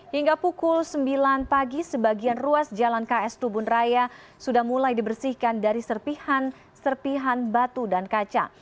hingga pukul sembilan pagi sebagian ruas jalan ks tubun raya sudah mulai dibersihkan dari serpihan serpihan batu dan kaca